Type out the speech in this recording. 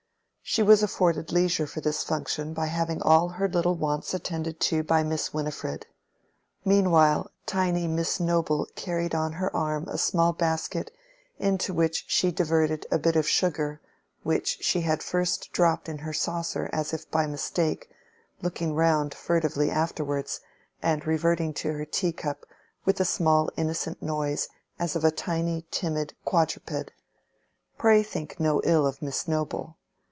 She was afforded leisure for this function by having all her little wants attended to by Miss Winifred. Meanwhile tiny Miss Noble carried on her arm a small basket, into which she diverted a bit of sugar, which she had first dropped in her saucer as if by mistake; looking round furtively afterwards, and reverting to her teacup with a small innocent noise as of a tiny timid quadruped. Pray think no ill of Miss Noble.